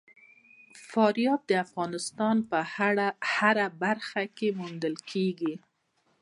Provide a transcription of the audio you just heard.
فاریاب د افغانستان په هره برخه کې موندل کېږي.